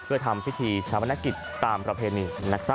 เพื่อทำพิธีชาวพนักกิจตามประเพณี